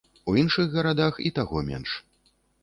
У іншых гарадах і таго менш.